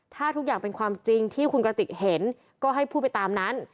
ถ้าทุกอย่างเป็นความจริงที่คุณกระติกเห็นก็ให้พูดไปตามนั้น